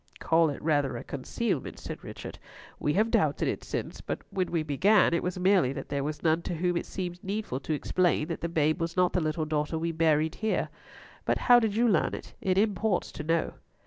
"Call it rather a concealment," said Richard. "We have doubted it since, but when we began, it was merely that there was none to whom it seemed needful to explain that the babe was not the little daughter we buried here. But how did you learn it? It imports to know."